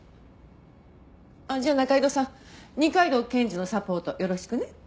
じゃあ仲井戸さん二階堂検事のサポートよろしくね。